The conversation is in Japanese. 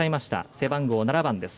背番号７番です。